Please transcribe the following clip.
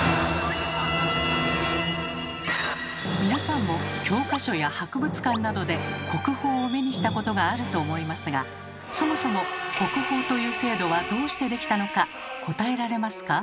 皆さんも教科書や博物館などで国宝を目にしたことがあると思いますがそもそも国宝という制度はどうして出来たのか答えられますか？